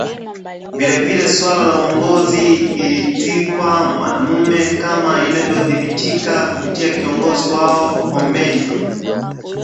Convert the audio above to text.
Vilevile suala la uongozi lilitwikwa mwanamume kama inavyodhibitika kupitia kiongozi wao Koomenjwe